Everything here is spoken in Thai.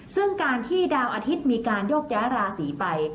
ซึ่งการที่ดาวอาทิตย์มีการโยกย้ายราศีไป